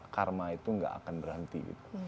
karma itu gak akan berhenti gitu